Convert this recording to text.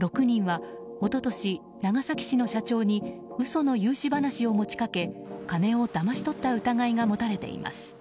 ６人は一昨年、長崎市の社長に嘘の融資話を持ち掛け金をだまし取った疑いが持たれています。